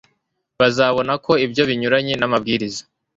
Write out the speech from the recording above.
bazabona ko ibyo binyuranye namabwiriza